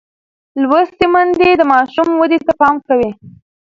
لوستې میندې د ماشوم ودې ته پام کوي.